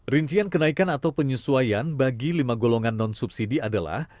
rincian kenaikan atau penyesuaian bagi lima golongan non subsidi adalah